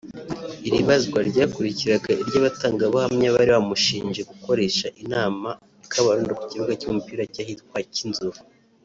Iri bazwa ryakurikiraga iry’abatangabuhamya bari bamushinje gukoresha inama i Kabarondo ku kibuga cy’umupira cy’ahitwa Cyinzovu